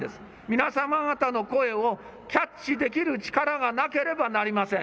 皆様方の声をキャッチできる力がなければなりません。